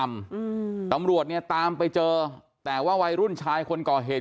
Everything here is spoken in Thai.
อืมตำรวจเนี้ยตามไปเจอแต่ว่าวัยรุ่นชายคนก่อเหตุ